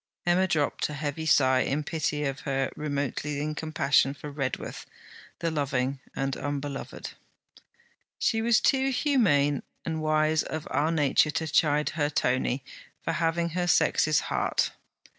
Emma dropped a heavy sigh in pity of her, remotely in compassion for Redworth, the loving and unbeloved. She was too humane and wise of our nature to chide her Tony for having her sex's heart.